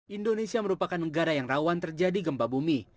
indonesia merupakan negara yang rawan terjadi gempa bumi